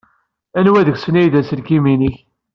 Anwa deg-sen ay d aselkim-nnek?